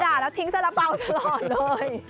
กินกระดาษแล้วทิ้งสละเปาสลอดเลย